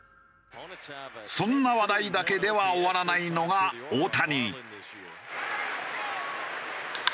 そんな話題だけでは終わらないのが大谷。